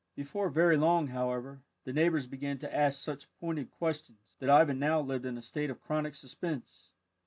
Before very long, however, the neighbours began to ask such pointed questions, that Ivan now lived in a state of chronic suspense.